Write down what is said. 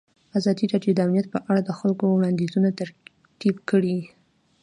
ازادي راډیو د امنیت په اړه د خلکو وړاندیزونه ترتیب کړي.